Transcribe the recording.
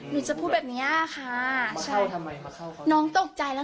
หนูจะพูดแบบเนี้ยค่ะใช่ทำไมมาเข้าน้องตกใจแล้ว